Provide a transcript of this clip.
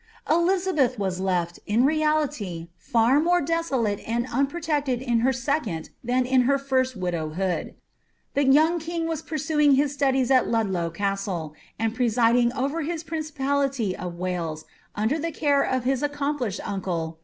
Elizabeth was leA, in reality, &r more desolate and unprotected in her second than in her first widowhood. The young kin? was pursu ing his studies at Ludlow castle, and presiding over his prmcipality of Wales, under the care of his accomplished uncle.